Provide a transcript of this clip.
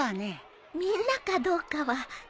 みんなかどうかは。